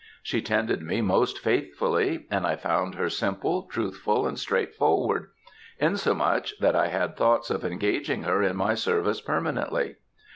She tended me most faithfully, and I found her simple, truthful, and straightforward; insomuch, that I had thoughts of engaging her in my service permanently.